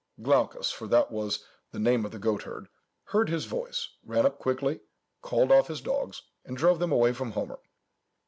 Glaucus (for that was the name of the goat herd) heard his voice, ran up quickly, called off his dogs, and drove them away from Homer.